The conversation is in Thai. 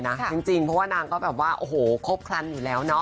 ไม่ต้องไปพูดต่อเลยหรือเปล่า